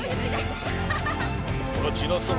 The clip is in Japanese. これは千奈津殿。